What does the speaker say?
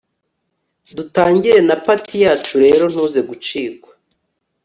Dutangire na part yacu rero ntuze gucikwa